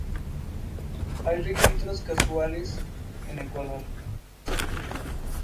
Hay registros casuales en Ecuador.